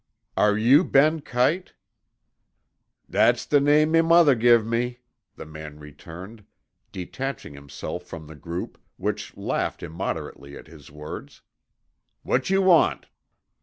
"Are you Ben Kite?" "That's the name me mither give me," the man returned, detaching himself from the group, which laughed immoderately at his words. "What you want?"